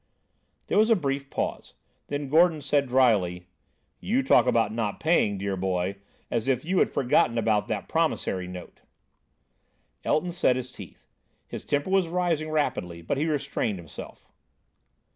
There was a brief pause; then Gordon said dryly: "You talk about not paying, dear boy, as if you had forgotten about that promissory note." Elton set his teeth. His temper was rising rapidly. But he restrained himself.